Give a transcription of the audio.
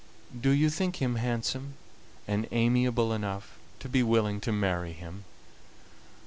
Do you think him handsome and amiable enough to be willing to marry him?"